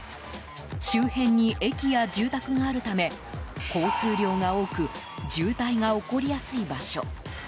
周辺に駅や住宅があるため交通量が多く渋滞が起こりやすい場所。